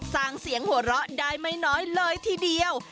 สร้างเสียงหัวเราะได้ไม่น้อยเลยทีเดียว